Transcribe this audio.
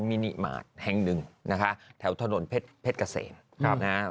มินิมาตรแห่งหนึ่งนะคะแถวถนนเพชรเพชรเกษมครับนะฮะ